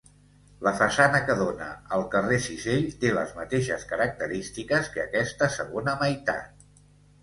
La façana que dóna al carrer Cisell té les mateixes característiques que aquesta segona meitat.